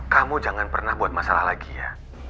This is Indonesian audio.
kamu jangan pernah buat masalah lagi ya